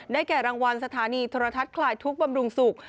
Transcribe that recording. แก่รางวัลสถานีโทรทัศน์คลายทุกข์บำรุงสุข